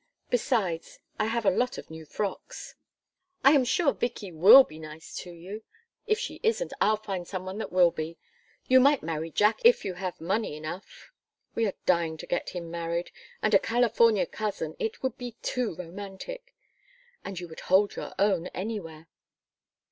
Besides, I have a lot of new frocks." "I am sure Vicky will be nice to you. If she isn't, I'll find some one that will be. You might marry Jack if you had money enough. We are dying to get him married and a California cousin it would be too romantic. And you would hold your own anywhere!"